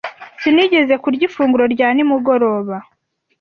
Sinigeze kurya ifunguro rya nimugoroba.